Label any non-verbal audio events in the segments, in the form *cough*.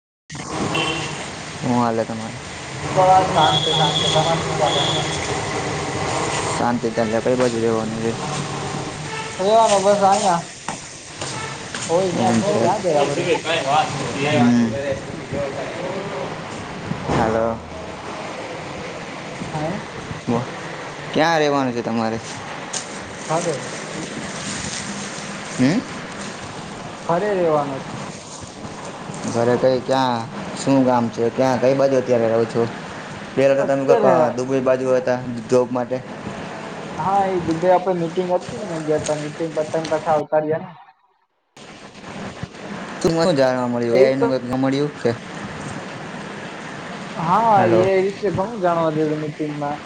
*inaudible* *unintelligible* બસ શાંત શાંત તમારે શું ચાલે શાંત તજ કઈ બાજુ રહેવાનુ થવાનો બસ અહયા હમ્મ હાલો. હા. ક્યાં રવાનું છે તમારે? *unintelligible* હમ્મ ઘરે રહેેવાનું જ. ઘરે કઈ ક્યાં શું ગામ છે ક્યાં કઈ બાજુ અત્યારે રહું છું. પેલા તો તમે અત્યારે દુ બાજુ હતા જોબ માટે. હા એ દુધાઈ આપે મીટિંગ હતી મે ગયા હતા મિટિંગ બતન કઠા અતાર્યા ને. તું શું જાણવા ને મળ્યું એ તો એનું કઈ મળ્યું છે. હા એ વિશે ઘણું જાણવા દું મીટિંગમાં.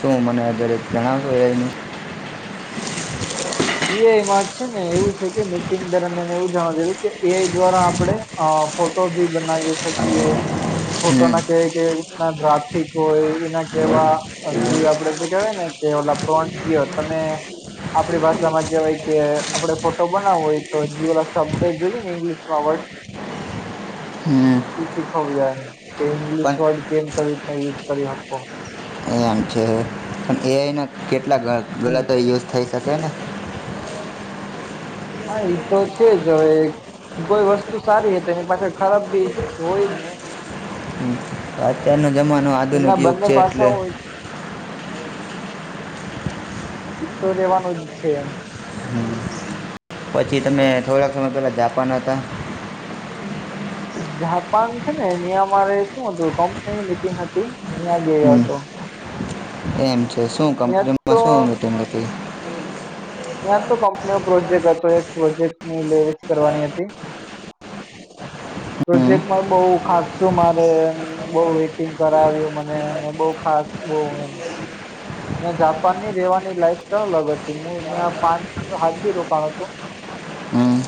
શું મને દરેક જણાવશો *inaudible* એઆઈ માં છે ને એવું છે કે મિટિંગ દરમિયાન એવું જણાવ દેું કે એઆઈ દ્વારા આપડે ફોટો ભી બનાવી શકીએ ફોટો હમ ના કેવાય કે ડ્રાફિક હોય એના કેવા જે આપડે જે કેહેવાય ને કે ઓ પ્લોન્ટ હોય તમે. આપડી ભાષા. માં કવાય કે આપડણે ફોટો બનાવવું હોય તો જે શબ્દ જોઈએ ને ઇંગ્લિશમાં વર્ડ. હમ *inaudible* એ શીખવ જાયને કે ઇંગ્લિશ પણ વર્ડ કેમતે યુઝ કરી શકો છે પણ એના કેટલા હમ ગલતો યુઝ થઈ શકે ને હા એ તો છે જ હવે કોઈ વસ્તુ સારી હ તો એની પાછળ ખરાબ બી હોય હા અત્યારનો જમાનો આધુનિક એના યુગ બંને છે પાસા એટલે હોય છે એ તો રહેવાનું જ છે એમ પછી તમે થોડાક સમય પહેલા જાપાન હતા જાપાન છે ને નિિયામારે શું હતું કંપનીની મીટિંગ હતી નયા ગયો હમ હતો એમ છે શું ત્યાં તો કંપનીમાં શું મિટિંગ હતી ત્યાં તો કંપનીઓ પ્રોજેક્ટ હતો એક પ્રોજેક્ટની લીડ જ કરવાની હતી *inaudible* પ્રોજેક્ટમાં બઉુ ખાસું મારે બઉ વેટિંગ કરાવ્યું મનેને બઉ ખાસ બઉ ત્યાં જાપાનની રેવાની લાઈફ સ્ટાઈલ અલગ હતી ત્યાં પાંચ હાત દિ રોકયો હતો હમ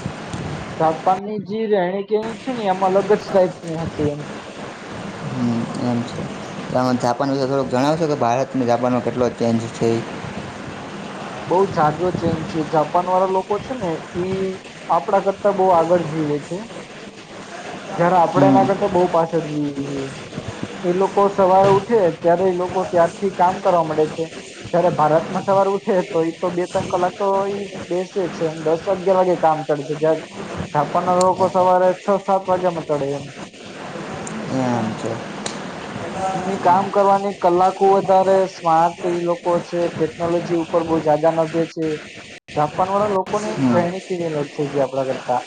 જાપાનની જે રહેણી કેણી છે ને એમાં અલગ જ ટાઈપની હતી એમ એમ છે તમે જાપાન વિશે થોડુંક જણાવશો કે ભારત જાપાનમાં કેટલો ચેન્જ છે બહુ જાજો ચેન્જ છે જાપાન વાળા લોકો છે ને ઈ આપડા કરતા બહું આગળ જઈ એ છે *inaudible* જયારે આપણેે હમ એના કરતા બહુ પાછળ છીએ એ લોકો સવારે ઉઠે ત્યારે એ લોકો ત્યારથી કામ કરવા મળે છે જ્યારે ભારત માં સવાર ઉઠે તો એ તો બે ત્રણ કલાક તો એ બેસે જ છે દસ અગિયાર વાગે કામ ચડે છે જાપાનના લોકો સવારે છ સાત વાગ્યા માં ચડે એમ એ છે એમની કામ કરવાની કલાકો વધારે સ્માર્ટ ઈ લોકો છે ટેકનોલોજી ઉપર બહ જદા ને છે *inaudible* જાપાન વાળા લોકો ની હમ રહેણી કેવી અલગ છે જે આપણા કરતા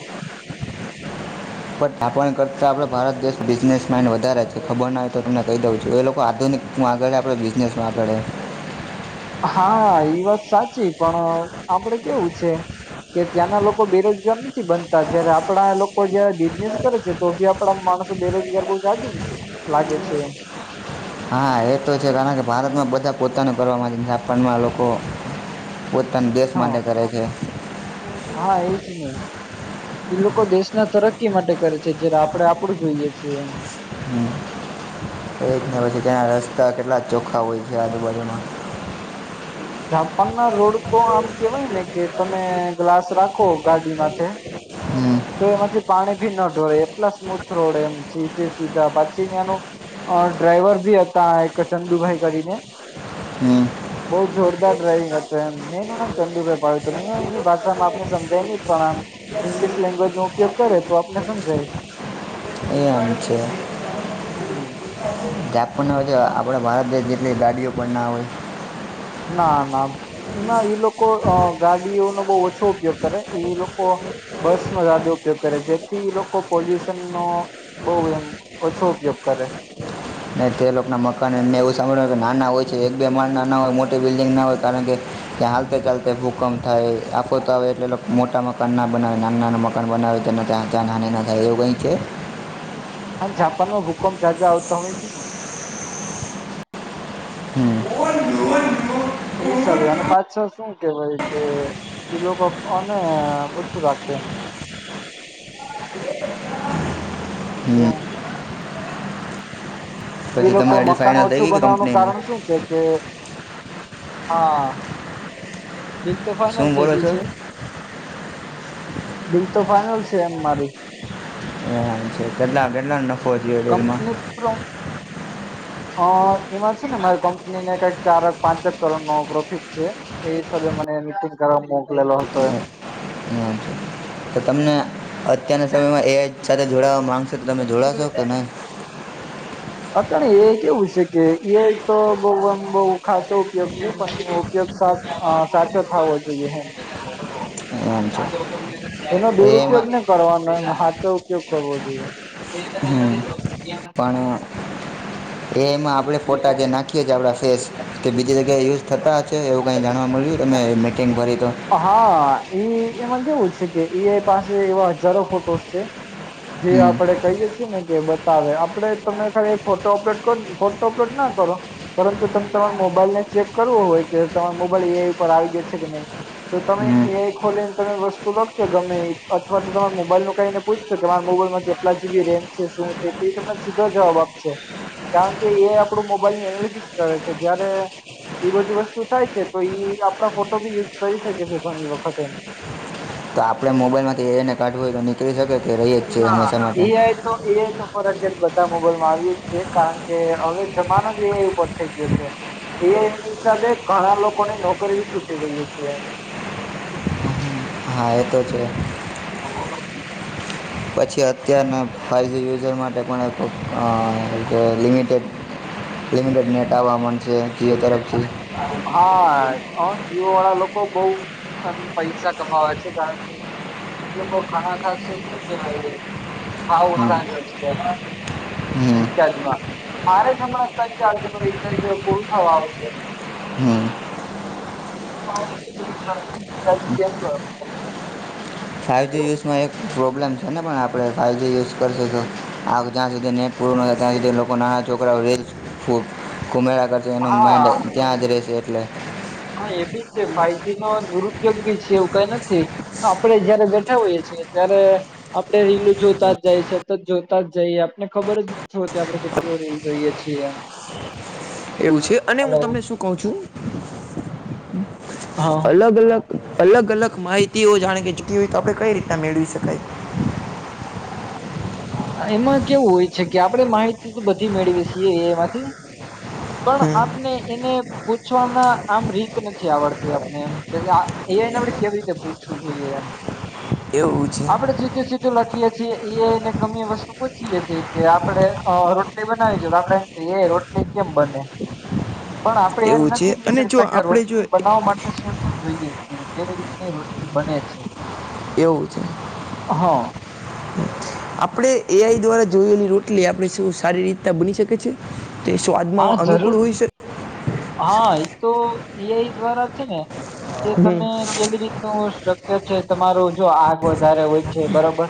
હ *inaudible* પણ આપણા કરતાં આપણે ભારત દેશ બિઝનેસમાઇન્ડ વધારે છે ખબર ના હોય તો તમને કહી દઉં છું એ લોકો આધુનિક હું આગળ આપણો બિઝનેસમાં આગળ હા એ વાત સાચી પણ આપડે કેવું છે કે ત્યાંના લોકો બેરોજગાર નથી બનતા જયારે આપણા લોકો જયારે બિઝનેસ કરે છે તો બી આપડા સ બેરોજગાર બહ જાદુ લાગે છે એમ *inaudible* હા એ તો છે કારણ કે ભારતમાં બધા પોતાનું કરવાવામાં જાપાનમાં લોકો પોતાન દેશ હા માટે કરે છે હા એજ ને એ લોકો દેશના તરક્કી માટે કરે છે જ આપણેે આપડું જોઈએ છીએ હમ *inaudible* એ જ ને હમ, પછી ત્યાના રસ્તા કેટલા ચોખ્ખા હોય છે આજુબાજુમાં જાપાન ના રોડ તો આમ કેવાય ને કે તમે ગ્લાસ રાખો ગાડીમાથે હમ તો એમાંથી પાણી ભી ના ઢોરાય એટલા સ્મૂથ રોડ એમ સીધે સીધા પછી ને એનું અ ડ્રાઈવર ભી હતા એક ચંદુભાઈ કરીને બહુ હમ. જોરદાર ડ્રાઈવિંગ હતો એમ ને એનુ નામ ચંદુભાઈ પાડ્યું હતું, એની ભાષામાં આપણે સમજાયની જ પણ આમ ઇંગ્લિશ લેંગ્વેજ નો ઉપયોગ કરે તો આપને સમજાય એમ છે. હમ. જાપના હોય છે, આપણા ભારત દેશ જેટલી ગાડીઓ પણ ના હોય ના ના એમાં એ લોકો ગાડીઓનો બો ઓછો ઉપયોગ કરે એ લોકો બસનો જાયાદો ઉપયોગ કરે જેથી લોકો પોલ્યુશન નો બો એમ ઓછો ઉપયોગ કરે. ને તે લોકોના મકાન એને એવું સાંભળ્યું કે નાના હોય છે, એક બે મણ નાના હોય મોટી બિલ્ડિંગના હોય કારણ કે કે હાલતે ચાલતે ભૂકંપ થાય આફતો આવે એટલે મોટા મકાનના બનાવે નાના નાના મકાન બના આવે તેનો ત્યાં ત્યાં નાની ના થાય એવું કંઈ છે. હા જાપાનમાં ભૂકંપ જાજા આવતો હોય છે ને હમ *unintelligible* ઈ હીસાબે અને પાછાળ શું કેવાય કે એ લોકો અને ઓછું રાખે *inaudible* હમ શું? એ પછી લોકો તમારી ડીલ મકાન ફાઇનલ થઈ ઓછું ગઈ કે બનાવવાનું કંપનીની કારણ શું છે કે હા બીક તો ફાઈનલ શું થઈ બોલો ગય છો છે. બીલ તો ફાઈનલ છે, એમ મારી હ છે કેટલા કેટલા થયો રેલમાં કંપની પ્રો અ એમાં છે ને મારી કંપનીને કઈક ચાર પાંચ કરોડનો પ્રોફિટ છે, એ મને મીટિંગ કરવા મોકલેલો હતો એ હમ. તો તમને અત્યારના સમયમાં એ આઈ સાથે જોડાવા માંગશે તો તમે જોડાશો કે નય? અ એ કેવું છે કે એ આઈ તો બોવ અમ બોવ ખાસો ઉપયોગ છે, પણ એનો ઉપયોગ સા અ સાચો થાવો જોઈએ હે એમ છે. એનો દુરુપયોગ એમાં ની કરવાનો ને હાચો ઉપયોગ કરવો હમ જોઈએ એ એમાં આપણે ફોટા જે નાખીએ છીએ આપણા ફેસ કે બીજી જગ યા યુઝ થતા હશે એવુ કંઈ જાણવા મળ્યું તને? હા એ એમાં કેવું છે કે એ આઈ પાસે એવા હજારો ફોટોસ છે. જે હમ આપડે કહીએે છે ને કે બતાવે આપડે તમે ખાલી ફોટો અપલોડ કર ફોટો અપલોડ ના કરો પરંતુ તમે તમારો મોબાઈલ ને ચેક કરવો હોય કે તમારે મોબાઈલ એ આઈ ઉપર આવી ગયો છે કે નય તો તમે હમ એ આઈ ખોલીને તમે વસ્તુ લખશો ગમે ઈ અથવા તો તમારા મોબાઈલનું કંય એને પૂછશો કે મારો મો બાઈલમા કેટલા જીબી રેમ છે શું છે એ તમને સીધો જવાબ આપશે કારણ કે એ આઈ આપડું મોબાઈલની એનાલિસિસ કરે છે, જયારે એ બધી વસ્તુ થાય છે, તો ઈ આપણા ફોટો બી યુઝ કરી શકે છે, ઘણી વખત એમ તો આપડે મોબાઈલમાંથી એ આઈને કાઢવું હોય તો નીકળી શકે કે રહીએ જ છીએ ના હંમેશા એ માટે આઈ તો એ આઈ તો ફરજયાત બધા મોબાઈલમાં આવે જ છે, કારણ કે હવે જમાનો જ એ આઈ ઉપર થઈ ગયો છે. એ આઈ એની હિસાબે ઘણા લોકોની નોકરી છૂટી રહી છે. હા, એતો છે. બ પછી, અત્યારને ફાઈવજી યુઝર માટે પણ એક લિમિટેડ લિમિટેડ નેટ આવ મન છે. જીઓ તરફથી હા, જીવ વાળા લોકો બઉ પૈસા કમાવે છે. કારણ કે એ લોકો ઘણા ખાસ શ કેવાય ભાવ હમ ઉતાર્યો છે. હમ રિચાર્જમા, મારે જ હમણા તને ત્રણ ચાર દીમા, રિચાર્જ પૂર થવા આવશે હમ *unintelligible* ફાઇવજી યુઝમા, એક પ્રોબ્લેમ છે. છેને, પણ આપણે ફાઇવજી યુઝ કરીશું તો આ જ્યાં સુધી નેટ પૂરુ ન થાય, ત્યાં સુધી લોકો નાના છોકરાઓ રે કરશે એનું માઇડ ત્યા, જ રહેશે એટલે પણ એ બી છે, ફાઈજી નો દુરુપયોગ બી છે, એવું કઈ નથી આપડે જયારે બેઠા હોઈએ છે, ત્યારે આપણે રીલું જોતા જઈએ સતત જોતા જઈએ આપને ખબર જ નથી હોતી આપડે કેટલુ, રીલ જોઈએ છીએ. એવું છે, અને હું હલો તમને શું કઉ છુ. હા અલગ, અલગ અલગ, અલગ માહિતીઓ જાણે કે જૂકી હોય, તો આપણે કઈ રીતના મેળવી શકીએ કઈ એમાં કેવુ હોય છે, કે આપણે માહિતીતો બધી મેળવીએ છીએ એમાંથી પણ હમ આપને એને પૂછવામાં આમ રીત નથી, આવડતી આપને એમ કે એઆઈને, આપડે કેવી રીતે પૂછવું જોઈએ એમ એવુ આપણે સીધુ, સીધુ લખીએ છીએ. એને ગમે વસ્તુ પૂછીય છે, કે આપડે રોટલી બનાવ જવાને, આપણે એઆઈ રોટલી કેમ બને પણ આપ આપણે એમ એવું છે નથી, કહી અને જો શકતા કે આપણે જો રોટની બનાવવા માટે શું શું જોઈએ છીએ, કેવી રીતની રોટની બને છે. એવુ, છે. હા આપણે એઆઈ, દ્વારા જોએલી રોટલી આપણે શું સારી રીતના બની શકે છે. તે સ્વાદમાં હા જરૂર અનુકૂળ હોય, શકે હા, એ તો એઆઈ દ્વારા છે, ને કે હમ તમે કેવી રીતનુ સ્ટ્રક્ચર છે, તમારું જો આગ વધારે હોય છે બરાબર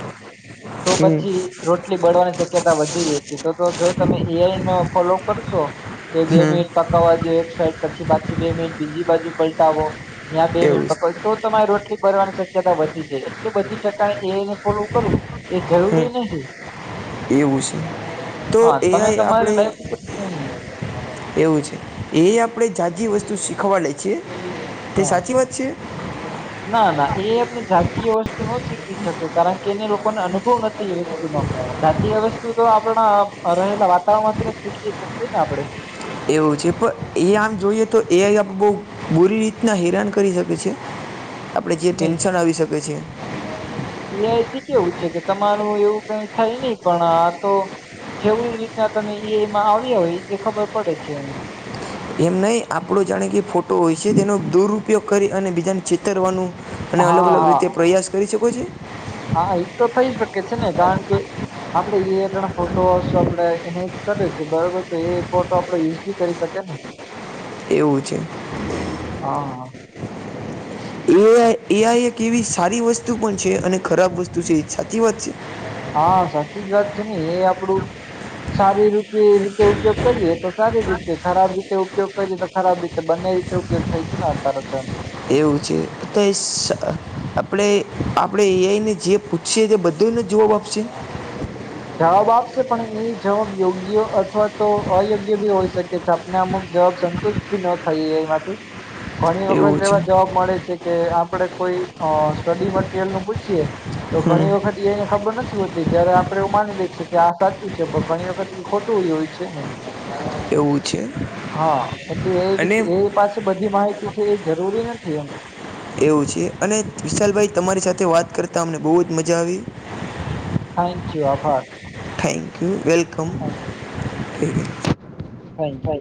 તો હમ પછી રોટલી બળવાની શક્યતા વધી રહી છે. તો તો જો તમે એઆઈનો ફોલો કરશો કે બે હમ મિનિટ પકવા જો એક સાઈડ પછી, પાછી બે મિનિટ બીજી, બાજુ પલટાવો ત્યા, બે મિનટ એવું છે પકડ તો તમાર રોટલી બરવાની, શક્યતા વધી જાય. એટલે બધી જગા એઆઈને ફોલો કરવુ હમ એવું છે, તો હા તમે એઆઈ તમારી લાઈફ આપણેે ઉપર એવું છે, એ આપડે જાઝી વસ્તુ શીખવાડે છીએ તે હા સાચી વાત છે. ના ના એ આપને જાતીય વસ્તુ ન શીખવી શકે કારણ કે એને લોકોને, અનુભવ નથી, એ વસ્તુનો જાતીય વસ્તુ, તો આપણા રહેલા વાતાવરણમાંથી શીખીએ શકીએને આપણે એવું છે, પણ એ આમ જોઈએ તો એઆઈ આપ બઉ બુરી રીતના હેરાન કરી શકે છે. આપણેે જે નહી ટેન્શન, આવી શકે છે. એઆઈથી કેવું છે, કે તમારું એવું કઈ થાય નહી, પણ આ તો જેવી રીતના તમે એઆઈમાં આવ્યા હોય, એ ખબર પડે છે, એને એમ નહી, આપણો જાણે કે ફોટો હોય છે. તેનો દુરુપયોગ કરી અને બીજાને છેતરવાનુ અને અલગ, હા અલગ હા રીતે પ્રયાસ કરી શકો છો. હા એ તો થઈ શકે છે, ને કારણ કે આપડે એઆઈ જોડે ફોટો આપડે એને જ કરે છે, તો એ બરોબર તો એ ફોટો આપડે યુઝ બી કરી શકીએ ને એવું છે. હા એ આઈ એ આઈ એક એવી સારી વસ્તુ પણ છે અને ખરાબ વસ્તુ છે એ સાચી વાત છે. હા, સાચી જ વાત છે ને એ આપડું સારી રી રીતે ઉપયોગ કરીએ તો સારી રીતે, ખરાબ રીતે ઉપયોગ કરીએ તો ખરાબ રીતે બંને રીતે ઉપયોગ થાય છે, ને અત્યારે તો એવું છે, તો એ સ આપણે આપણે એ આઈ ને જે પૂછ્યે છે બધું નો જવાબ આપશે. જવાબ આપશે પણ એ જવાબ યોગ્ય અથવા તો અયોગ્ય બી હોઈ શકે છે, આપને અમુક જવાબ સંતુષ્ટ બી ન થઈએ એમાંથી. ઘણી વખત એવું છે એવા જવાબ મળે છેકે આપડે કોઈ અ સ્ટડી મટીરિયલનું પૂછીએ. તો હમ ઘણી વખત એને ખબર નથી હોતી જયારે આપ આપડે એવું માની લે છેકે આ સાચું છે પણ ઘણી વખત એ ખોટું ઈ હોય છેને. પૂછયે એટલે એ એ પાસે બધી માહિતી છે, એ જરૂરી નથી એમ. એવું છે અને વિશાલભાઈ તમારી સાથે વાત કરતાં અમને બહુ જ મજા આવી. Thank you. આભાર. Thank you. Welcome. Thank you